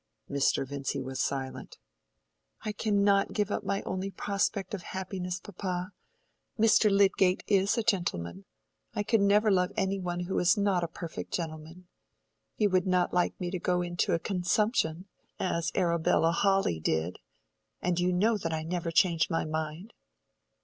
Mr. Vincy was silent. "I cannot give up my only prospect of happiness, papa. Mr. Lydgate is a gentleman. I could never love any one who was not a perfect gentleman. You would not like me to go into a consumption, as Arabella Hawley did. And you know that I never change my mind."